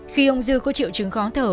khi ông dư có triệu chứng khó thở